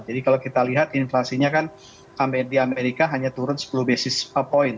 jadi kalau kita lihat inflasinya kan di amerika hanya turun sepuluh basis point